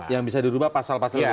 yang bisa dirubah pasal pasal itu